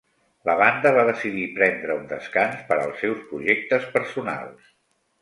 La banda va decidir prendre un descans per als seus projectes personals.